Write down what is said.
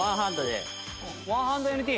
ワンハンドＮＴ。